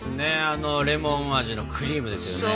あのレモン味のクリームですよね。